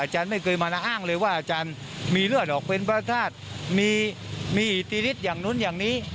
อาจารย์ไม่เคยมาละอ้างเลยว่าอาจารย์มีเลือดออกเป็นพระธาตุมีอิทธิฤทธิอย่างนู้นอย่างนี้